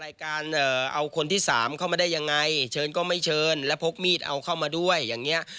การเอาคนที่สามเข้ามาได้ยังไงเชิญก็ไม่เชิญแล้วพกมีดเอาเข้ามาด้วยอย่างเงี้ย